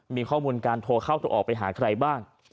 มีข้อมูลการโทรเข้าโทรออกไปหาใครบ้าง